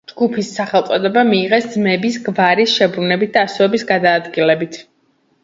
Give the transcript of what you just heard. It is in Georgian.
ჯგუფის სახელწოდება მიიღეს ძმების გვარის შებრუნებით და ასოების გადაადგილებით.